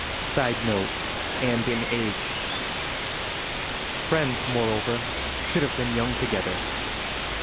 [Sidenote: and in age.] Friends, moreover, should have been young together.